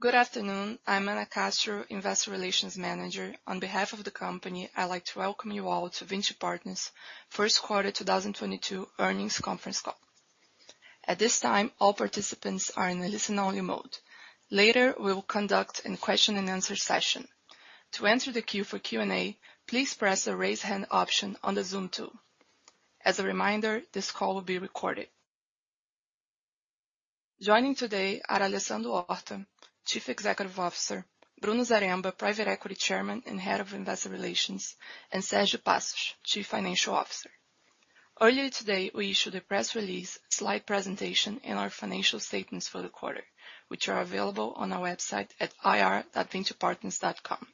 Good afternoon. I'm Anna Castro, Investor Relations Manager. On behalf of the company, I'd like to welcome you all to Vinci Partners first quarter 2022 earnings conference call. At this time, all participants are in a listen only mode. Later, we will conduct a question and answer session. To enter the queue for Q&A, please press the Raise Hand option on the Zoom tool. As a reminder, this call will be recorded. Joining today are Alessandro Horta, Chief Executive Officer, Bruno Zaremba, Private Equity Chairman and Head of Investor Relations, and Sergio Passos, Chief Financial Officer. Earlier today, we issued a press release, slide presentation, and our financial statements for the quarter, which are available on our website at ir.vincipartners.com.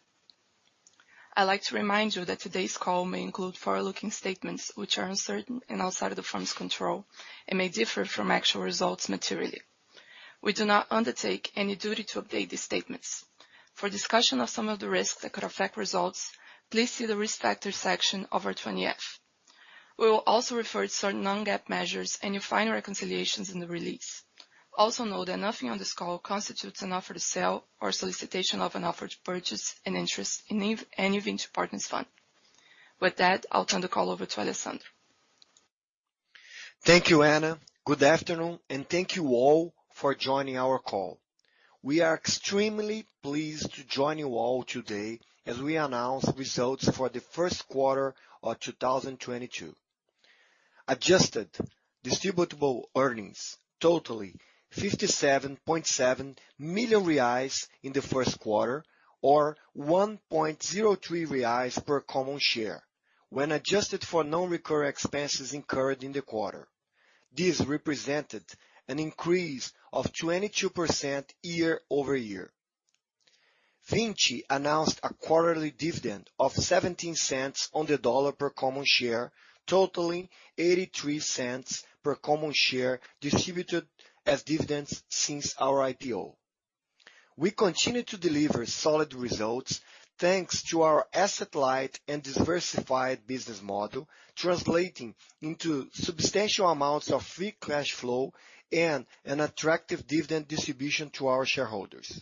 I'd like to remind you that today's call may include forward-looking statements which are uncertain and outside of the firm's control and may differ from actual results materially. We do not undertake any duty to update these statements. For discussion of some of the risks that could affect results, please see the Risk Factors section of our 20-F. We will also refer to certain non-GAAP measures and you'll find reconciliations in the release. Also know that nothing on this call constitutes an offer to sell or solicitation of an offer to purchase an interest in any Vinci Partners fund. With that, I'll turn the call over to Alessandro. Thank you, Anna. Good afternoon, and thank you all for joining our call. We are extremely pleased to join you all today as we announce results for the first quarter of 2022. Adjusted distributable earnings totaling 57.7 million reais in the first quarter, or 1.03 reais per common share when adjusted for non-recurring expenses incurred in the quarter. This represented an increase of 22% year-over-year. Vinci announced a quarterly dividend of $0.17 per common share, totaling $0.83 per common share distributed as dividends since our IPO. We continue to deliver solid results thanks to our asset light and diversified business model, translating into substantial amounts of free cash flow and an attractive dividend distribution to our shareholders.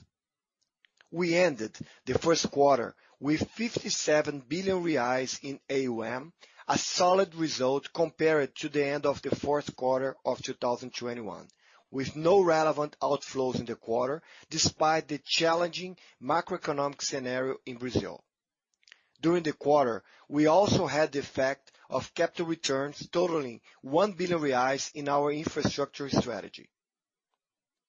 We ended the first quarter with 57 billion reais in AUM, a solid result compared to the end of the fourth quarter of 2021, with no relevant outflows in the quarter despite the challenging macroeconomic scenario in Brazil. During the quarter, we also had the effect of capital returns totaling 1 billion reais in our infrastructure strategy.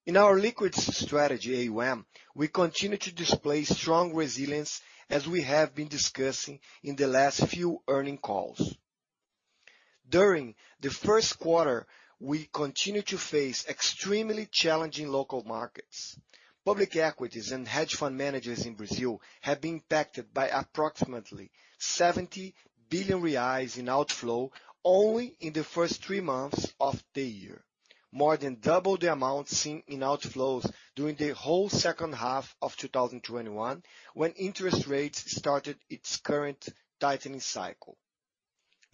In our liquid strategy AUM, we continue to display strong resilience as we have been discussing in the last few earnings calls. During the first quarter, we continued to face extremely challenging local markets. Public equities and hedge fund managers in Brazil have been impacted by approximately 70 billion reais in outflow only in the first three months of the year, more than double the amount seen in outflows during the whole second half of 2021 when interest rates started its current tightening cycle.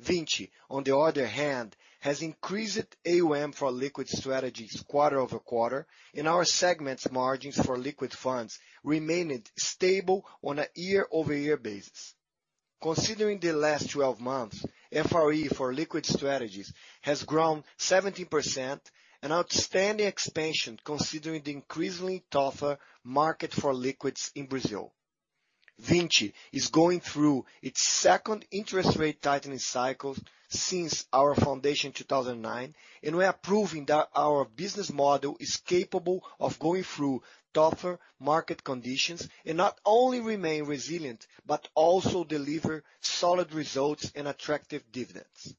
Vinci, on the other hand, has increased AUM for liquid strategies quarter-over-quarter, and our segments margins for liquid funds remained stable on a year-over-year basis. Considering the last 12 months, FRE for liquid strategies has grown 17%, an outstanding expansion considering the increasingly tougher market for liquids in Brazil. Vinci is going through its second interest rate tightening cycle since our foundation in 2009, and we are proving that our business model is capable of going through tougher market conditions and not only remain resilient, but also deliver solid results and attractive dividends.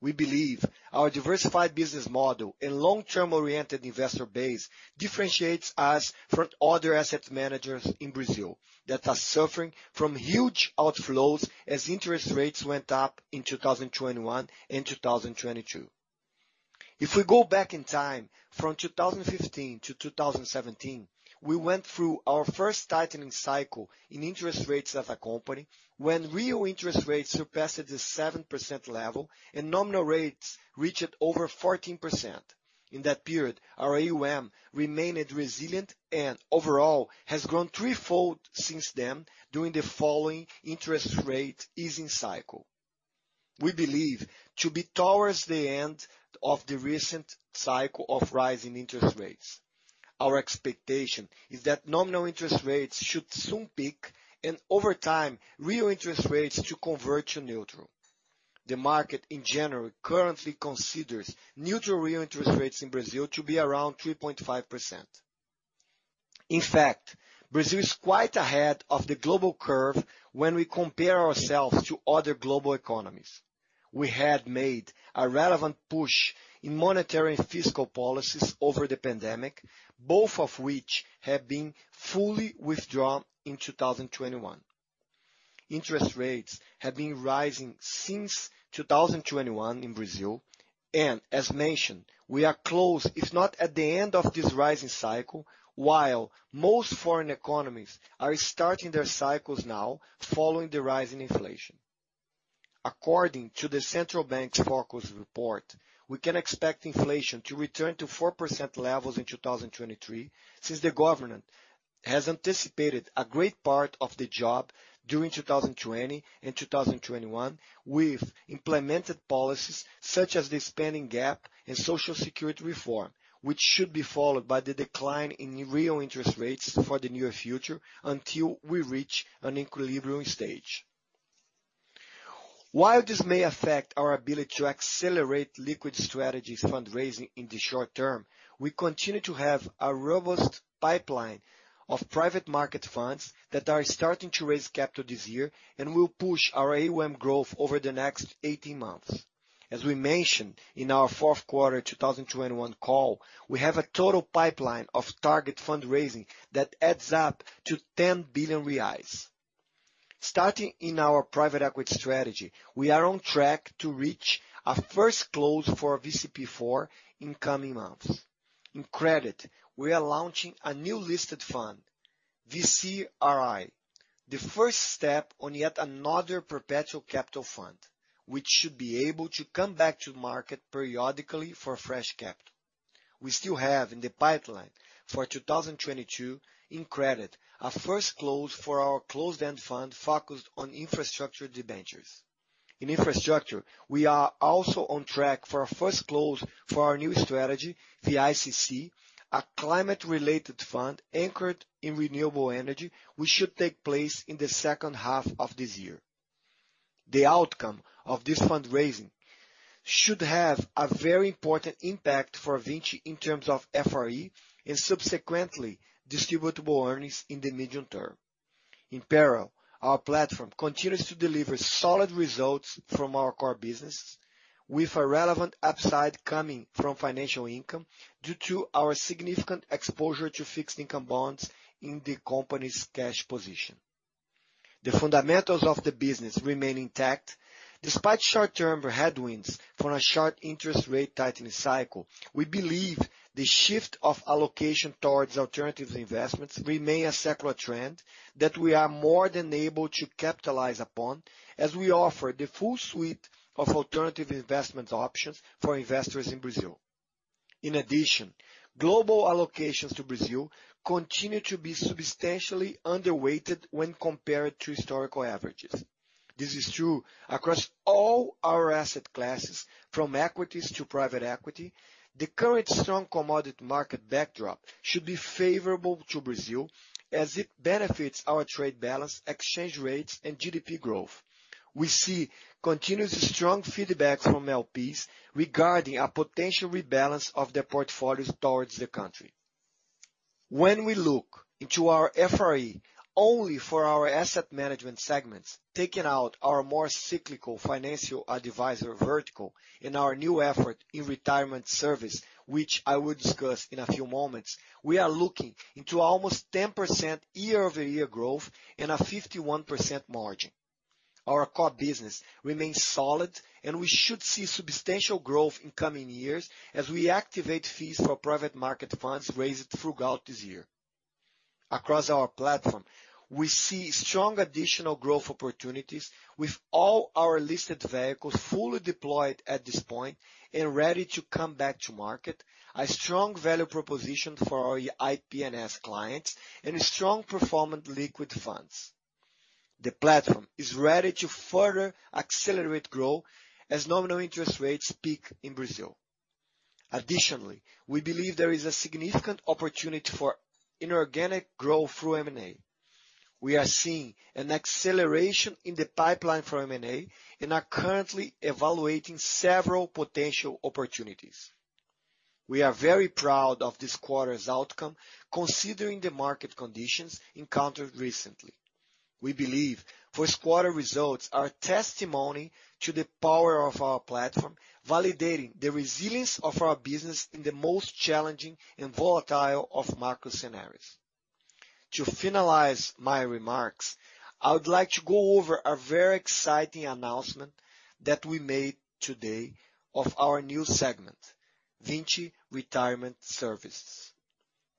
We believe our diversified business model and long-term oriented investor base differentiates us from other asset managers in Brazil that are suffering from huge outflows as interest rates went up in 2021 and 2022. If we go back in time from 2015 to 2017, we went through our first tightening cycle in interest rates as a company when real interest rates surpassed the 7% level and nominal rates reached over 14%. In that period, our AUM remained resilient and overall has grown threefold since then during the following interest rate easing cycle. We believe to be towards the end of the recent cycle of rising interest rates. Our expectation is that nominal interest rates should soon peak and over time, real interest rates to convert to neutral. The market in general currently considers neutral real interest rates in Brazil to be around 3.5%. In fact, Brazil is quite ahead of the global curve when we compare ourselves to other global economies. We had made a relevant push in monetary and fiscal policies over the pandemic, both of which have been fully withdrawn in 2021. Interest rates have been rising since 2021 in Brazil, and as mentioned, we are close, if not at the end of this rising cycle, while most foreign economies are starting their cycles now following the rise in inflation. According to the Central Bank's focus report, we can expect inflation to return to 4% levels in 2023, since the government has anticipated a great part of the job during 2020 and 2021 with implemented policies such as the spending cap and Social Security reform, which should be followed by the decline in real interest rates for the near future until we reach an equilibrium stage. While this may affect our ability to accelerate liquid strategies fundraising in the short term, we continue to have a robust pipeline of private market funds that are starting to raise capital this year and will push our AUM growth over the next 18 months. As we mentioned in our fourth quarter 2021 call, we have a total pipeline of target fundraising that adds up to 10 billion reais. Starting in our private equity strategy, we are on track to reach our first close for VCP IV in coming months. In credit, we are launching a new listed fund, VCRI, the first step on yet another perpetual capital fund, which should be able to come back to market periodically for fresh capital. We still have in the pipeline for 2022 in credit, our first close for our closed-end fund focused on infrastructure debentures. In infrastructure, we are also on track for our first close for our new strategy, VICC, a climate-related fund anchored in renewable energy, which should take place in the second half of this year. The outcome of this fundraising should have a very important impact for Vinci in terms of FRE and subsequently distributable earnings in the medium term. In parallel, our platform continues to deliver solid results from our core business with a relevant upside coming from financial income due to our significant exposure to fixed income bonds in the company's cash position. The fundamentals of the business remain intact. Despite short-term headwinds from a sharp interest rate tightening cycle, we believe the shift of allocation towards alternative investments remain a secular trend that we are more than able to capitalize upon as we offer the full suite of alternative investment options for investors in Brazil. In addition, global allocations to Brazil continue to be substantially underweighted when compared to historical averages. This is true across all our asset classes from equities to private equity. The current strong commodity market backdrop should be favorable to Brazil as it benefits our trade balance, exchange rates, and GDP growth. We see continuous strong feedback from LPs regarding a potential rebalance of their portfolios towards the country. When we look into our FRE only for our asset management segments, taking out our more cyclical financial advisor vertical and our new effort in retirement service, which I will discuss in a few moments, we are looking into almost 10% year-over-year growth and a 51% margin. Our core business remains solid, and we should see substantial growth in coming years as we activate fees for private market funds raised throughout this year. Across our platform, we see strong additional growth opportunities with all our listed vehicles fully deployed at this point and ready to come back to market, a strong value proposition for our IPNS clients, and strong performing liquid funds. The platform is ready to further accelerate growth as nominal interest rates peak in Brazil. Additionally, we believe there is a significant opportunity for inorganic growth through M&A. We are seeing an acceleration in the pipeline for M&A and are currently evaluating several potential opportunities. We are very proud of this quarter's outcome considering the market conditions encountered recently. We believe first quarter results are a testimony to the power of our platform, validating the resilience of our business in the most challenging and volatile of macro scenarios. To finalize my remarks, I would like to go over a very exciting announcement that we made today of our new segment, Vinci Retirement Services.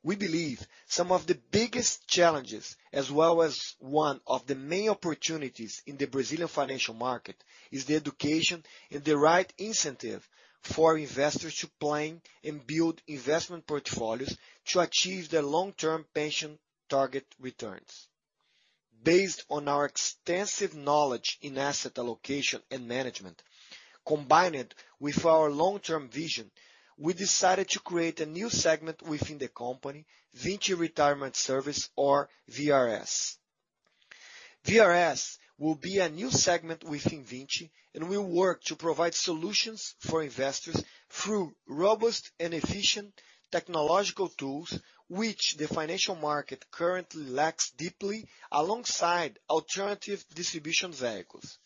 We believe some of the biggest challenges, as well as one of the main opportunities in the Brazilian financial market, is the education and the right incentive for investors to plan and build investment portfolios to achieve their long-term pension target returns. Based on our extensive knowledge in asset allocation and management, combined with our long-term vision, we decided to create a new segment within the company, Vinci Retirement Services or VRS. VRS will be a new segment within Vinci and will work to provide solutions for investors through robust and efficient technological tools, which the financial market currently lacks deeply alongside alternative distribution vehicles.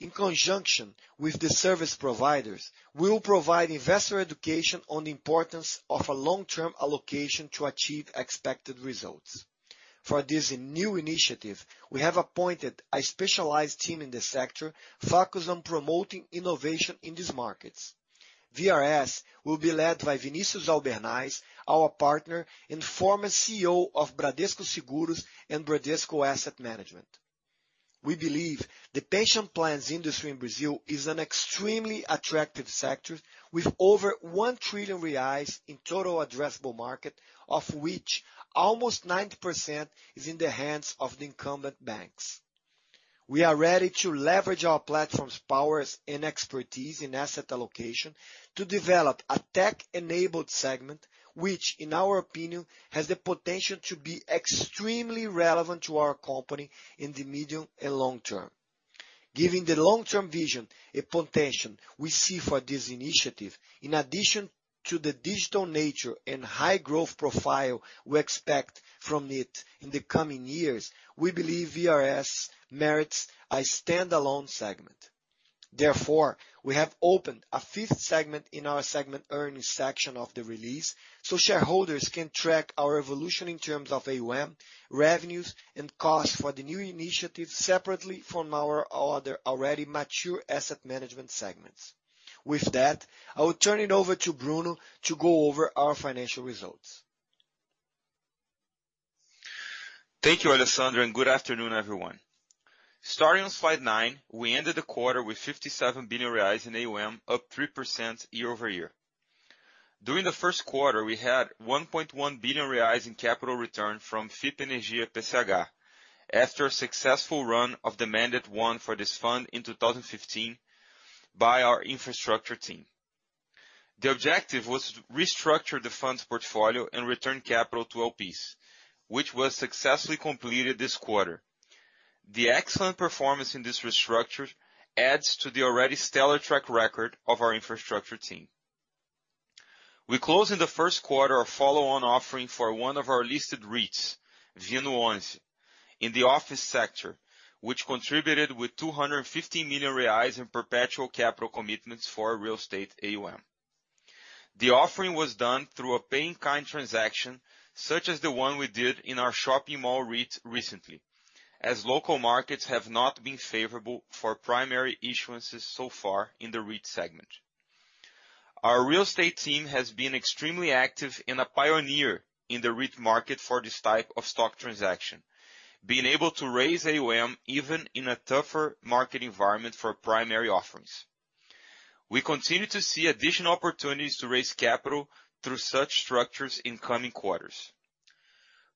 In conjunction with the service providers, we will provide investor education on the importance of a long-term allocation to achieve expected results. For this new initiative, we have appointed a specialized team in this sector focused on promoting innovation in these markets. VRS will be led by Vinicius Albernaz, our partner and former CEO of Bradesco Seguros and Bradesco Asset Management. We believe the pension plans industry in Brazil is an extremely attractive sector with over 1 trillion reais in total addressable market, of which almost 90% is in the hands of the incumbent banks. We are ready to leverage our platform's powers and expertise in asset allocation to develop a tech-enabled segment, which in our opinion, has the potential to be extremely relevant to our company in the medium and long term. Given the long-term vision and potential we see for this initiative, in addition to the digital nature and high growth profile we expect from it in the coming years, we believe VRS merits a stand-alone segment. Therefore, we have opened a fifth segment in our segment earnings section of the release, so shareholders can track our evolution in terms of AUM, revenues, and costs for the new initiative separately from our other already mature asset management segments. With that, I will turn it over to Bruno to go over our financial results. Thank you, Alessandro, and good afternoon, everyone. Starting on slide nine, we ended the quarter with 57 billion reais in AUM, up 3% year-over-year. During the first quarter, we had 1.1 billion reais in capital return from FIP Energia PCH after a successful run of the mandate won for this fund in 2015 by our infrastructure team. The objective was to restructure the fund's portfolio and return capital to LPs, which was successfully completed this quarter. The excellent performance in this restructure adds to the already stellar track record of our infrastructure team. We closed in the first quarter a follow-on offering for one of our listed REITs, [VINO11], in the office sector, which contributed with 250 million reais in perpetual capital commitments for real estate AUM. The offering was done through a pay-in-kind transaction, such as the one we did in our shopping mall REIT recently, as local markets have not been favorable for primary issuances so far in the REIT segment. Our real estate team has been extremely active and a pioneer in the REIT market for this type of stock transaction, being able to raise AUM even in a tougher market environment for primary offerings. We continue to see additional opportunities to raise capital through such structures in coming quarters.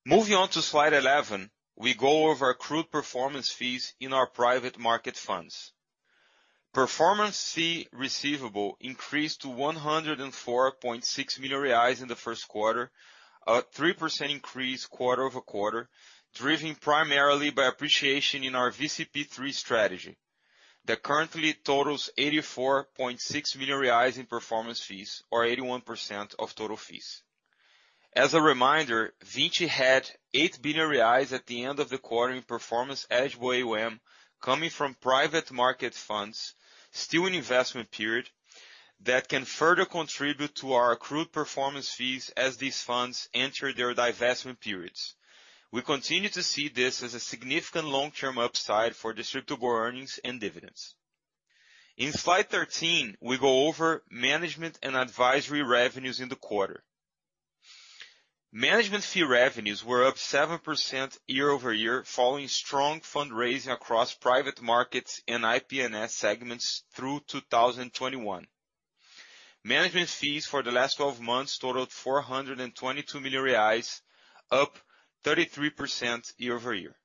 Moving on to slide 11, we go over accrued performance fees in our private market funds. Performance fee receivable increased to 104.6 million reais in the first quarter, a 3% increase quarter-over-quarter, driven primarily by appreciation in our VCP III strategy that currently totals 84.6 million reais in performance fees or 81% of total fees. As a reminder, Vinci had 8 billion reais at the end of the quarter in performance fee AUM coming from private market funds still in investment period that can further contribute to our accrued performance fees as these funds enter their divestment periods. We continue to see this as a significant long-term upside for distributable earnings and dividends. In slide 13, we go over management and advisory revenues in the quarter. Management fee revenues were up 7% year-over-year, following strong fundraising across private markets and IPNS segments through 2021. Management fees for the last twelve months totaled 422 million reais, up 33% year-over-year.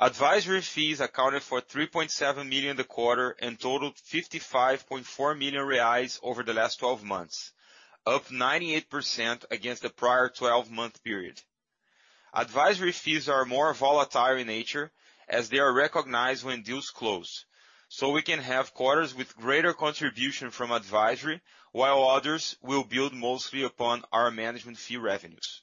Advisory fees accounted for 3.7 million in the quarter and totaled 55.4 million reais over the last twelve months, up 98% against the prior twelve-month period. Advisory fees are more volatile in nature as they are recognized when deals close, so we can have quarters with greater contribution from advisory, while others will build mostly upon our management fee revenues.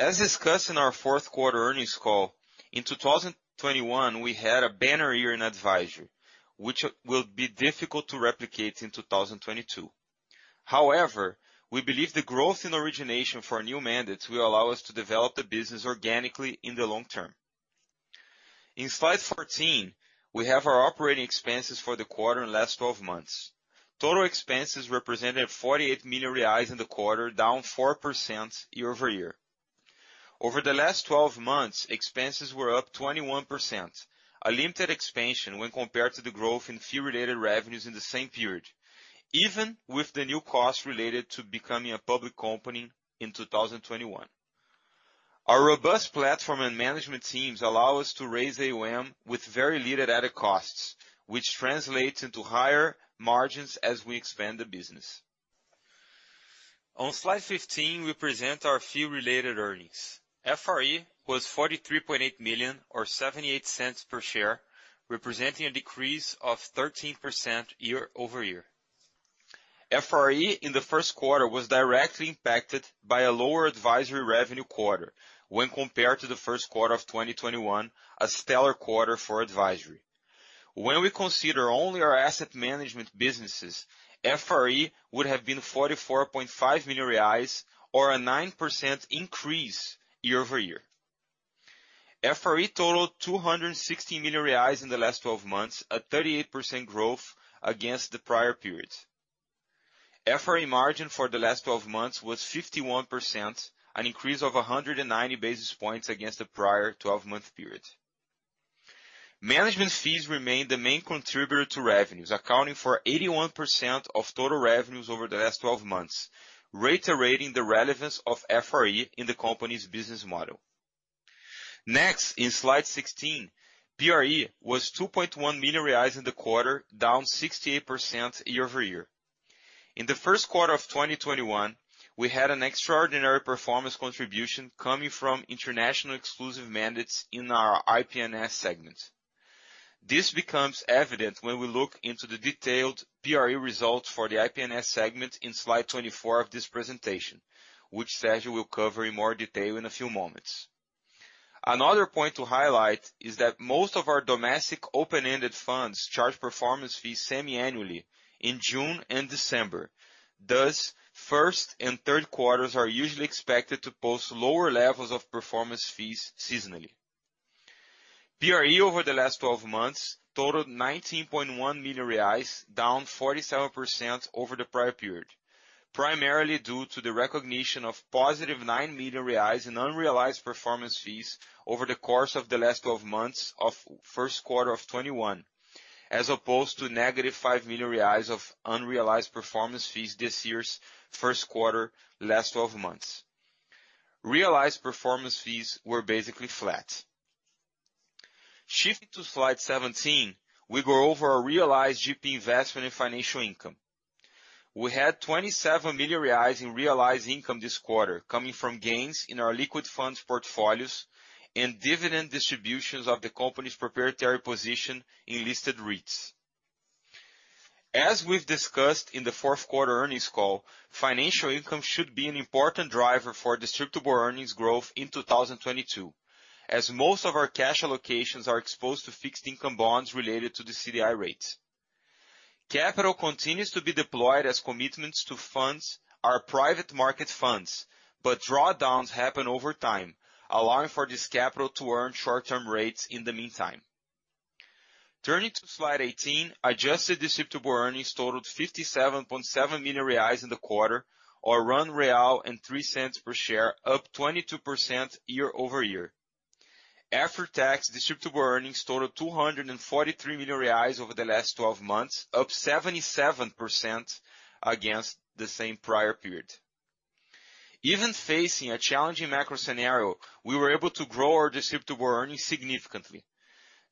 As discussed in our fourth quarter earnings call, in 2021, we had a banner year in advisory, which will be difficult to replicate in 2022. However, we believe the growth in origination for new mandates will allow us to develop the business organically in the long term. In slide 14, we have our operating expenses for the quarter and last twelve months. Total expenses represented 48 million reais in the quarter, down 4% year-over-year. Over the last twelve months, expenses were up 21%, a limited expansion when compared to the growth in fee-related revenues in the same period, even with the new costs related to becoming a public company in 2021. Our robust platform and management teams allow us to raise AUM with very little added costs, which translates into higher margins as we expand the business. On slide 15, we present our fee-related earnings. FRE was 43.8 million or $0.78 per share, representing a decrease of 13% year-over-year. FRE in the first quarter was directly impacted by a lower advisory revenue quarter when compared to the first quarter of 2021, a stellar quarter for advisory. When we consider only our asset management businesses, FRE would have been 44.5 million reais or a 9% increase year-over-year. FRE totaled 216 million reais in the last twelve months, a 38% growth against the prior period. FRE margin for the last twelve months was 51%, an increase of 190 basis points against the prior twelve-month period. Management fees remained the main contributor to revenues, accounting for 81% of total revenues over the last twelve months, reiterating the relevance of FRE in the company's business model. Next, in slide 16, PRE was 2.1 million reais in the quarter, down 68% year-over-year. In the first quarter of 2021, we had an extraordinary performance contribution coming from international exclusive mandates in our IPNS segment. This becomes evident when we look into the detailed PRE results for the IPNS segment in slide 24 of this presentation, which Sergio will cover in more detail in a few moments. Another point to highlight is that most of our domestic open-ended funds charge performance fees semi-annually in June and December. Thus, first and third quarters are usually expected to post lower levels of performance fees seasonally. PRE over the last twelve months totaled 19.1 million reais, down 47% over the prior period, primarily due to the recognition of positive 9 million reais in unrealized performance fees over the course of the last twelve months of first quarter of 2021, as opposed to -5 million reais of unrealized performance fees this year's first quarter last twelve months. Realized performance fees were basically flat. Shifting to slide 17, we go over our realized GP investment in financial income. We had 27 million reais in realized income this quarter, coming from gains in our liquid funds portfolios and dividend distributions of the company's proprietary position in listed REITs. As we've discussed in the fourth quarter earnings call, financial income should be an important driver for distributable earnings growth in 2022, as most of our cash allocations are exposed to fixed income bonds related to the CDI rates. Capital continues to be deployed as commitments to our private market funds, but drawdowns happen over time, allowing for this capital to earn short-term rates in the meantime. Turning to slide 18, adjusted distributable earnings totaled 57.7 million reais in the quarter, or around 1.03 per share, up 22% year-over-year. After-tax distributable earnings totaled 243 million reais over the last 12 months, up 77% against the same prior period. Even facing a challenging macro scenario, we were able to grow our distributable earnings significantly.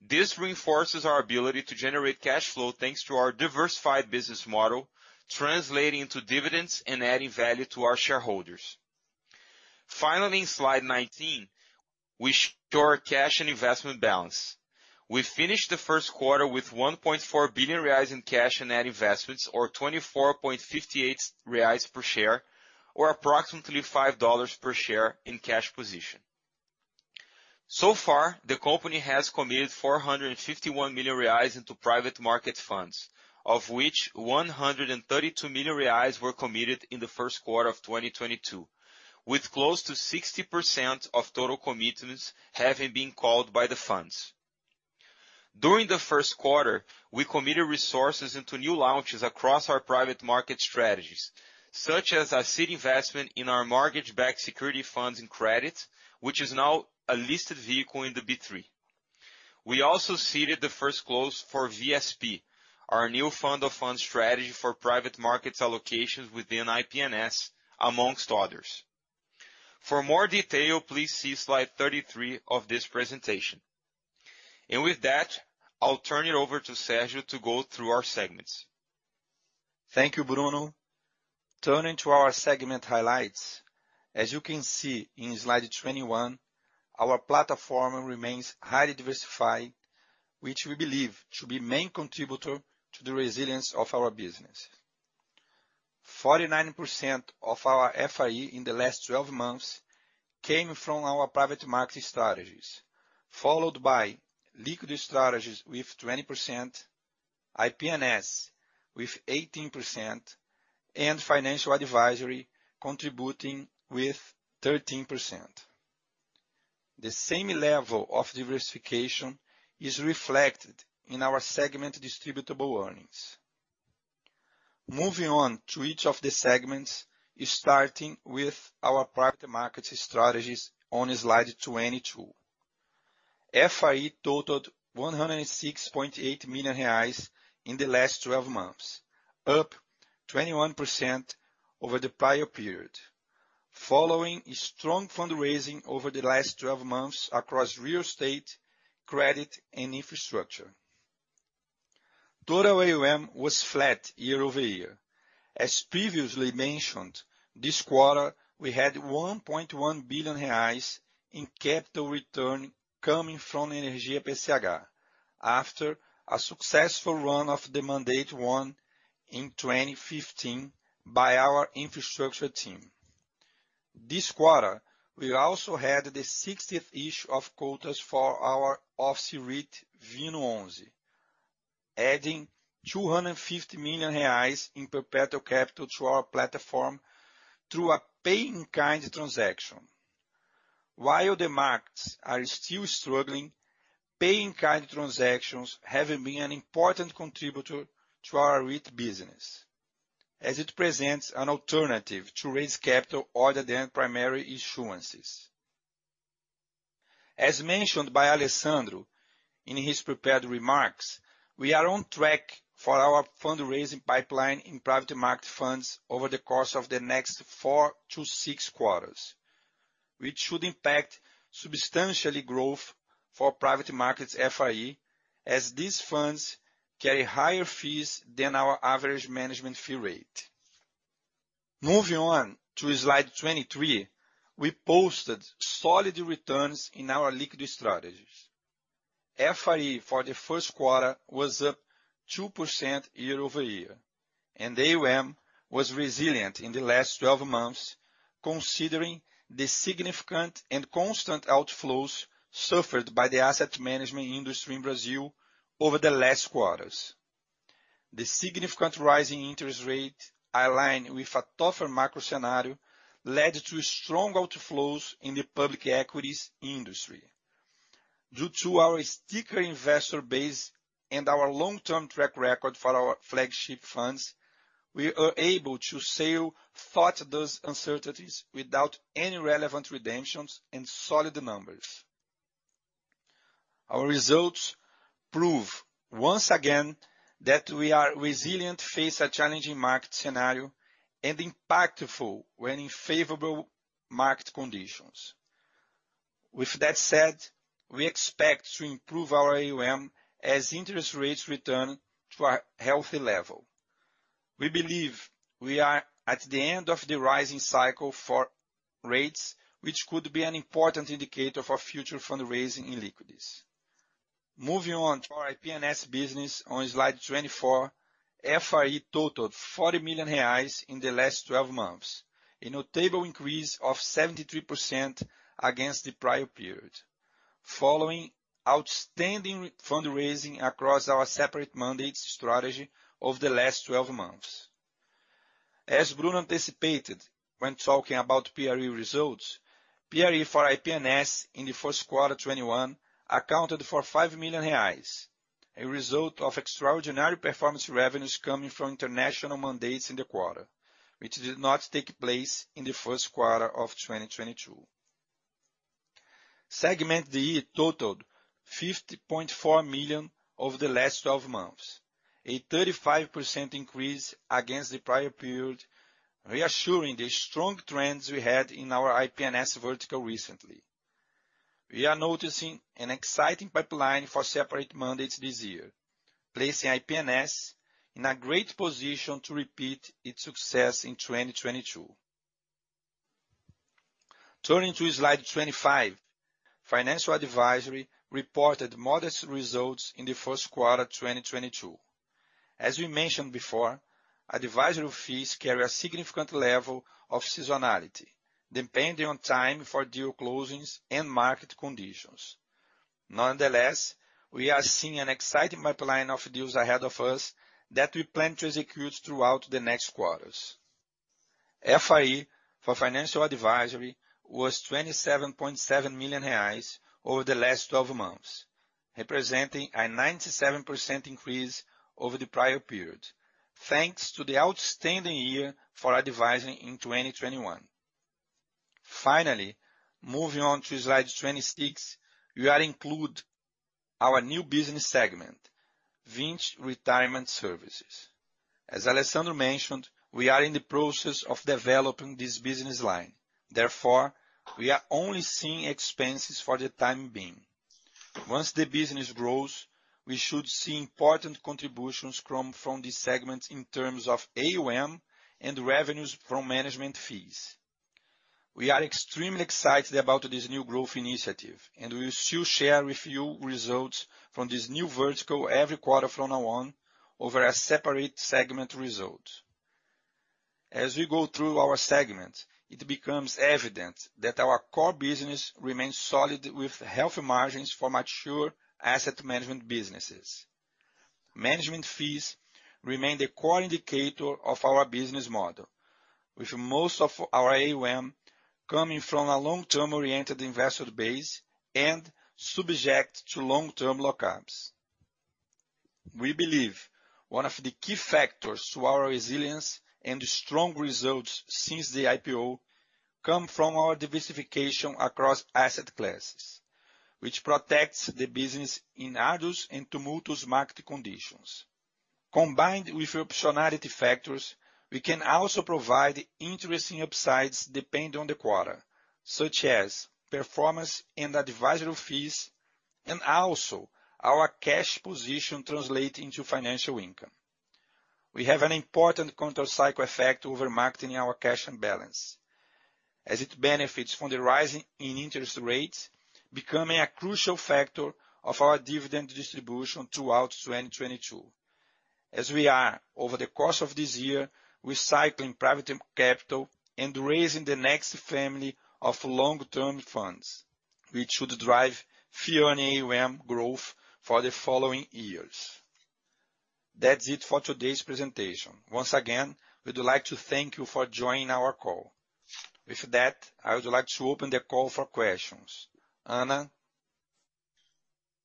This reinforces our ability to generate cash flow thanks to our diversified business model, translating into dividends and adding value to our shareholders. Finally, in slide 19, we show our cash and investment balance. We finished the first quarter with 1.4 billion reais in cash and net investments, or 24.58 reais per share, or approximately $5 per share in cash position. So far, the company has committed 451 million reais into private market funds, of which 132 million reais were committed in the first quarter of 2022, with close to 60% of total commitments having been called by the funds. During the first quarter, we committed resources into new launches across our private market strategies, such as our seed investment in our mortgage-backed security funds in credit, which is now a listed vehicle in the B3. We also seeded the first close for VSP, our new fund of funds strategy for private market allocations within IPNS, among others. For more detail, please see slide 33 of this presentation. With that, I'll turn it over to Sergio to go through our segments. Thank you, Bruno. Turning to our segment highlights, as you can see in slide 21, our platform remains highly diversified, which we believe to be main contributor to the resilience of our business. 49% of our FRE in the last 12 months came from our private market strategies, followed by liquid strategies with 20%, IPNS with 18%, and financial advisory contributing with 13%. The same level of diversification is reflected in our segment distributable earnings. Moving on to each of the segments, starting with our private market strategies on slide 22. FR21% over the prior period, following strong fundraising over the last 12 months across real estate, credit and infrastructure. Total AUM was flat year-over-year. As previously mentioned, this quarter we had 1.1 billion reais in capital return coming from Energia PCH after a successful run of the mandate won in 2015 by our infrastructure team. This quarter, we also had the 60th issue of quotas for our office REIT, VINO11, adding 250 million reais in perpetual capital to our platform through a pay-in-kind transaction. While the markets are still struggling, pay-in-kind transactions have been an important contributor to our REIT business, as it presents an alternative to raise capital other than primary issuances. As mentioned by Alessandro in his prepared remarks, we are on track for our fundraising pipeline in private market funds over the course of the next 4-6 quarters, which should impact substantially growth for private markets FIE, as these funds carry higher fees than our average management fee rate. Moving on to slide 23, we posted solid returns in our liquid strategies. FIE for the first quarter was up 2% year-over-year, and AUM was resilient in the last 12 months, considering the significant and constant outflows suffered by the asset management industry in Brazil over the last quarters. The significant rise in interest rate, aligned with a tougher macro scenario, led to strong outflows in the public equities industry. Due to our sticky investor base and our long-term track record for our flagship funds, we are able to sail through those uncertainties without any relevant redemptions and solid numbers. Our results prove once again that we are resilient in the face of a challenging market scenario and impactful when in favorable market conditions. With that said, we expect to improve our AUM as interest rates return to a healthy level. We believe we are at the end of the rising cycle for rates, which could be an important indicator for future fundraising in liquidities. Moving on to our IPNS business on slide 24, FIE totaled 40 million reais in the last twelve months, a notable increase of 73% against the prior period, following outstanding fundraising across our separate mandates strategy over the last twelve months. As Bruno anticipated when talking about PRE results, PRE for IPNS in the first quarter 2021 accounted for 5 million reais, a result of extraordinary performance revenues coming from international mandates in the quarter, which did not take place in the first quarter of 2022. Segment DE totaled 50.4 million over the last twelve months, a 35% increase against the prior period, reassuring the strong trends we had in our IPNS vertical recently. We are noticing an exciting pipeline for separate mandates this year, placing IPNS in a great position to repeat its success in 2022. Turning to slide 25, financial advisory reported modest results in the first quarter, 2022. As we mentioned before, advisory fees carry a significant level of seasonality, depending on time for deal closings and market conditions. Nonetheless, we are seeing an exciting pipeline of deals ahead of us that we plan to execute throughout the next quarters. FRE for financial advisory was 27.7 million reais over the last 12 months, representing a 97% increase over the prior period, thanks to the outstanding year for advising in 2021. Finally, moving on to slide 26, we are including our new business segment, Vinci Retirement Services. As Alessandro mentioned, we are in the process of developing this business line. Therefore, we are only seeing expenses for the time being. Once the business grows, we should see important contributions from this segment in terms of AUM and revenues from management fees. We are extremely excited about this new growth initiative, and we will still share with you results from this new vertical every quarter from now on over a separate segment result. As we go through our segment, it becomes evident that our core business remains solid with healthy margins for mature asset management businesses. Management fees remain the core indicator of our business model, with most of our AUM coming from a long-term oriented investor base and subject to long-term lock-ups. We believe one of the key factors to our resilience and strong results since the IPO come from our diversification across asset classes, which protects the business in arduous and tumultuous market conditions. Combined with optionality factors, we can also provide interesting upsides depending on the quarter, such as performance and advisory fees, and also our cash position translates into financial income. We have an important counter-cyclical effect over managing our cash and balance, as it benefits from the rise in interest rates, becoming a crucial factor of our dividend distribution throughout 2022. We are, over the course of this year, recycling private capital and raising the next family of long-term funds, which should drive fee on AUM growth for the following years. That's it for today's presentation. Once again, we'd like to thank you for joining our call. With that, I would like to open the call for questions. Anna?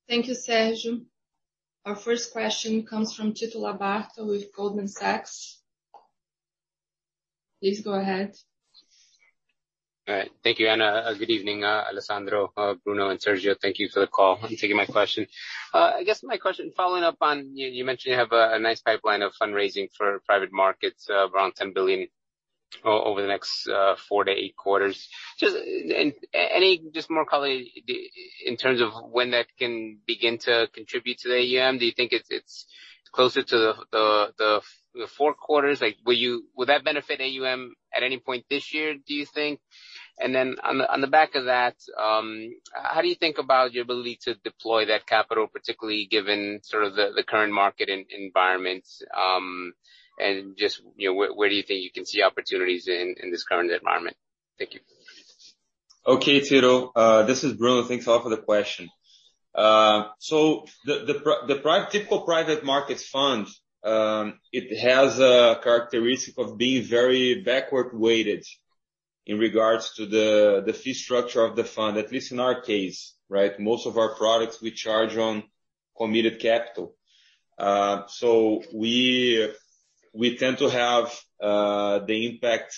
Thank you, Sergio. Our first question comes from Tito Labarta with Goldman Sachs. Please go ahead. All right. Thank you, Anna. Good evening, Alessandro, Bruno, and Sergio. Thank you for the call and taking my question. I guess my question, following up on you mentioned you have a nice pipeline of fundraising for private markets, around 10 billion over the next 4-8 quarters. Just any more color in terms of when that can begin to contribute to the AUM. Do you think it's closer to the four quarters? Like, will that benefit AUM at any point this year, do you think? On the back of that, how do you think about your ability to deploy that capital, particularly given sort of the current market environment, and just, you know, where do you think you can see opportunities in this current environment? Thank you. Okay, Tito. This is Bruno. Thanks a lot for the question. The typical private markets fund, it has a characteristic of being very backward-weighted in regards to the fee structure of the fund, at least in our case, right? Most of our products we charge on committed capital. We tend to have the impact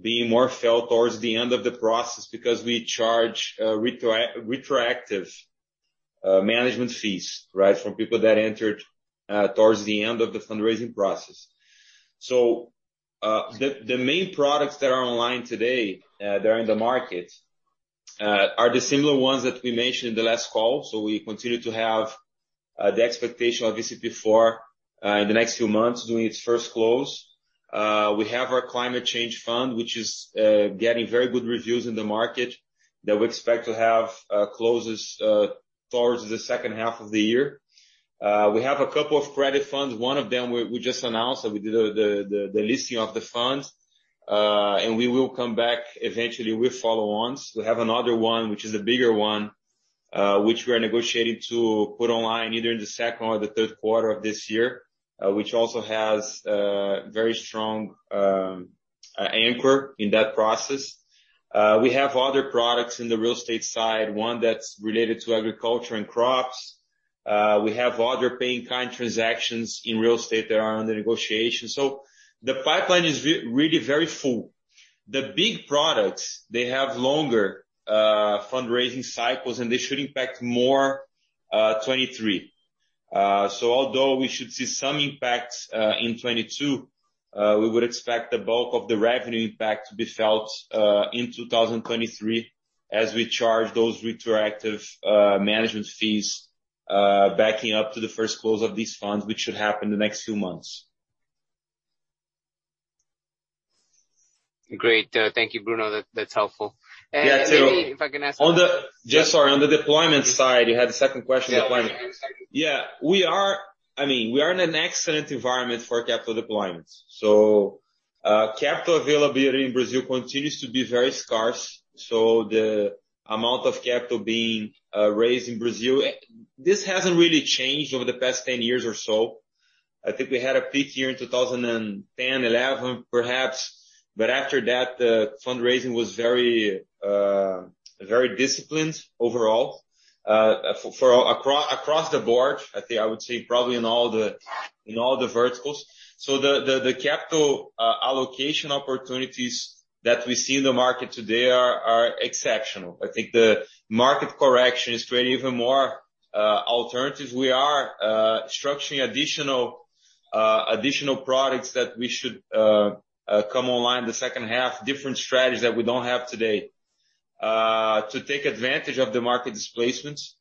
being more felt towards the end of the process because we charge retroactive management fees, right? From people that entered towards the end of the fundraising process. The main products that are online today, that are in the market, are the similar ones that we mentioned in the last call. We continue to have the expectation of VCP IV in the next few months doing its first close. We have our climate change fund, which is getting very good reviews in the market that we expect to have closes towards the second half of the year. We have a couple of credit funds. One of them we just announced that we did the listing of the funds. We will come back eventually with follow-ons. We have another one, which is a bigger one, which we are negotiating to put online either in the second or the third quarter of this year, which also has a very strong anchor in that process. We have other products in the real estate side, one that's related to agriculture and crops. We have other pay-in-kind transactions in real estate that are under negotiation. The pipeline is really very full. The big products, they have longer fundraising cycles, and they should impact more 2023. Although we should see some impact in 2022, we would expect the bulk of the revenue impact to be felt in 2023 as we charge those retroactive management fees backing up to the first close of these funds, which should happen in the next few months. Great. Thank you, Bruno. That's helpful. Yeah. Maybe if I can ask one. On the deployment side, you had a second question on deployment. Yeah. Okay. Second. I mean, we are in an excellent environment for capital deployments. Capital availability in Brazil continues to be very scarce, so the amount of capital being raised in Brazil, this hasn't really changed over the past 10 years or so. I think we had a peak year in 2010, 2011 perhaps, but after that, the fundraising was very disciplined overall. Across the board, I think I would say probably in all the verticals. The capital allocation opportunities that we see in the market today are exceptional. I think the market correction is creating even more alternatives. We are structuring additional products that we should come online in the second half, different strategies that we don't have today, to take advantage of the market displacements,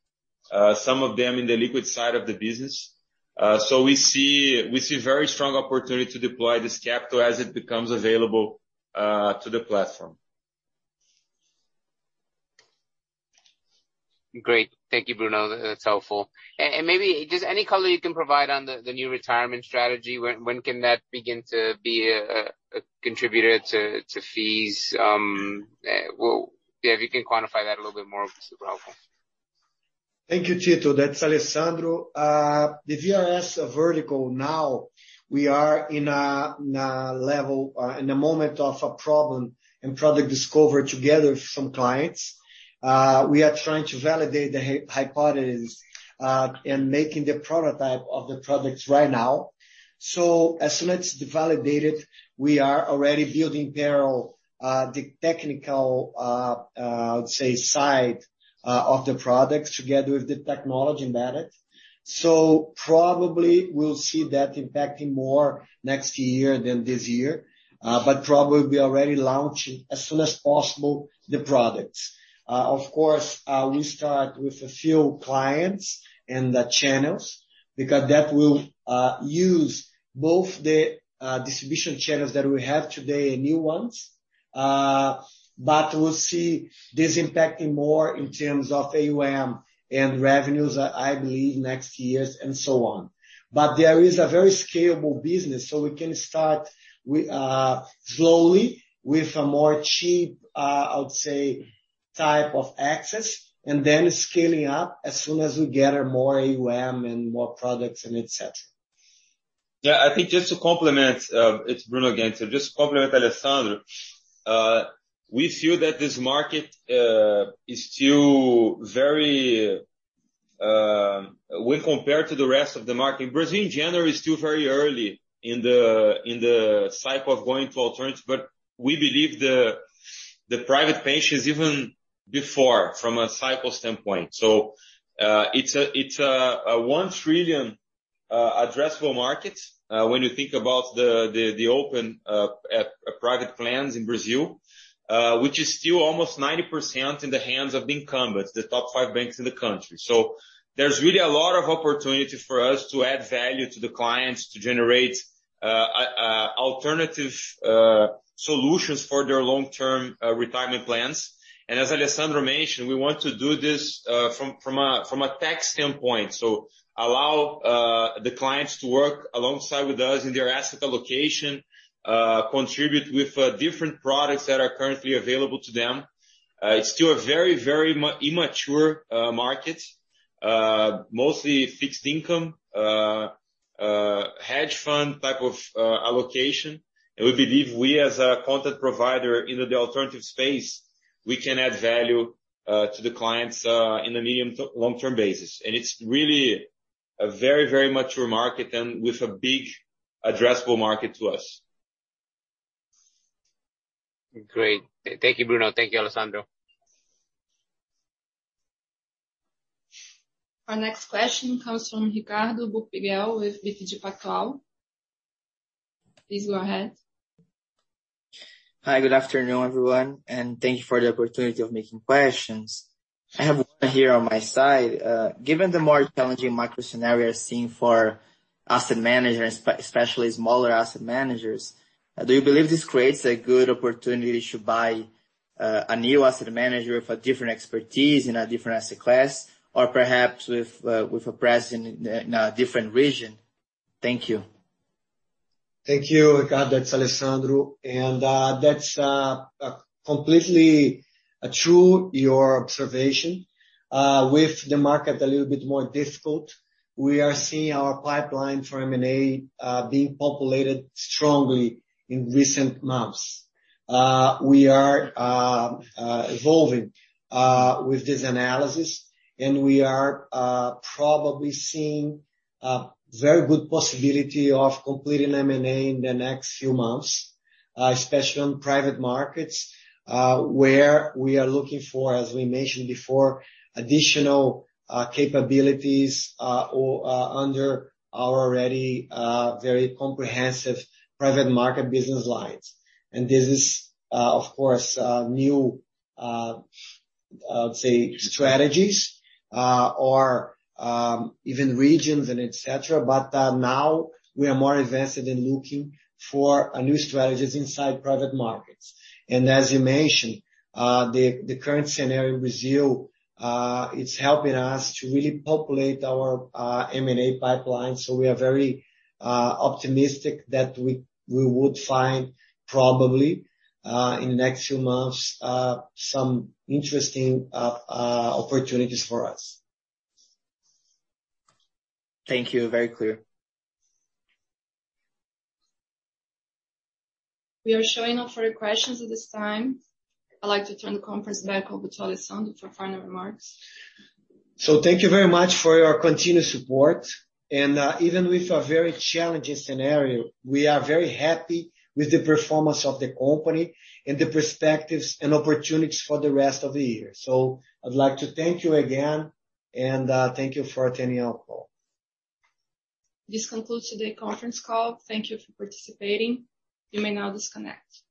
some of them in the liquid side of the business. We see very strong opportunity to deploy this capital as it becomes available to the platform. Great. Thank you, Bruno. That's helpful. Maybe just any color you can provide on the new retirement strategy. When can that begin to be a contributor to fees? Well, yeah, if you can quantify that a little bit more, it would be super helpful. Thank you, Tito. That's Alessandro. The VRS vertical now we are in a level in a moment of a problem and product discovery together with some clients. We are trying to validate the hypothesis in making the prototype of the products right now. As soon as it's validated, we are already building parallel the technical I would say side of the products together with the technology embedded. Probably we'll see that impacting more next year than this year. Probably we are already launching as soon as possible the products. Of course, we start with a few clients and the channels because that will use both the distribution channels that we have today and new ones. We'll see this impacting more in terms of AUM and revenues, I believe, next years and so on. There is a very scalable business, so we can start slowly with a more cheap, I would say, type of access, and then scaling up as soon as we gather more AUM and more products, and etc. Yeah, I thinkjust to complement. It's Bruno again. Just to complement Alessandro. We feel that this market is still very, when compared to the rest of the market. Brazil, in general, is still very early in the cycle of going to alternatives, but we believe the private pensions even before from a cycle standpoint. It's a 1 trillion addressable market, when you think about the open private plans in Brazil. Which is still almost 90% in the hands of the incumbents, the top five banks in the country. There's really a lot of opportunity for us to add value to the clients to generate alternative solutions for their long-term retirement plans. As Alessandro mentioned, we want to do this from a tax standpoint. Allow the clients to work alongside with us in their asset allocation. Contribute with different products that are currently available to them. It's still a very immature market. Mostly fixed income. Hedge fund type of allocation. We believe we, as a content provider in the alternative space, we can add value to the clients in the medium to long-term basis. It's really a very mature market and with a big addressable market to us. Great. Thank you, Bruno. Thank you, Alessandro. Our next question comes from Ricardo Buchpiguel with BTG Pactual. Please go ahead. Hi, good afternoon, everyone, and thank you for the opportunity of asking questions. I have one here on my side. Given the more challenging macro scenario seen for asset managers, especially smaller asset managers, do you believe this creates a good opportunity to buy a new asset manager with a different expertise in a different asset class, or perhaps with a presence in a different region? Thank you. Thank you, Ricardo. It's Alessandro. That's completely true, your observation. With the market a little bit more difficult, we are seeing our pipeline for M&A being populated strongly in recent months. We are evolving with this analysis, and we are probably seeing a very good possibility of completing M&A in the next few months, especially on private markets, where we are looking for, as we mentioned before, additional capabilities or under our already very comprehensive private market business lines. This is, of course, new. I would say strategies or even regions and etcetera, but now we are more invested in looking for new strategies inside private markets. As you mentioned, the current scenario in Brazil, it's helping us to really populate our M&A pipeline, so we are very optimistic that we would find probably in the next few months some interesting opportunities for us. Thank you. Very clear. We are showing no further questions at this time. I'd like to turn the conference back over to Alessandro for final remarks. Thank you very much for your continued support. Even with a very challenging scenario, we are very happy with the performance of the company and the perspectives and opportunities for the rest of the year. I'd like to thank you again and thank you for attending our call. This concludes today's conference call. Thank you for participating. You may now disconnect.